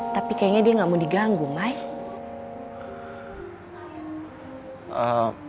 tapi kayaknya dia gak mau diganggu mike